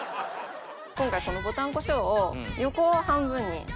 今回このぼたんこしょうを横を半分に。